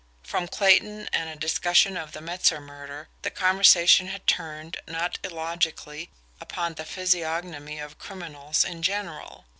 From Clayton and a discussion of the Metzer murder, the conversation had turned, not illogically, upon the physiognomy of criminals in general.